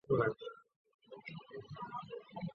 大河村遗址是位于黄河中游地区的新石器时代遗址。